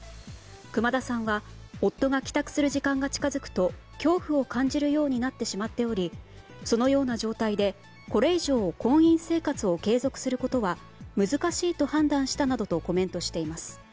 熊田さんは夫が帰宅する時間が近づくと恐怖を感じるようになってしまっておりそのような状態で、これ以上婚姻生活を継続することは難しいと判断したなどとコメントしています。